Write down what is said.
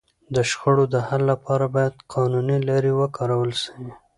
د شخړو د حل لپاره باید قانوني لاري وکارول سي.